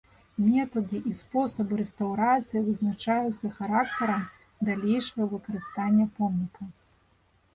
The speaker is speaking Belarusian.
Метады і спосабы рэстаўрацыі вызначаюцца характарам далейшага выкарыстання помніка.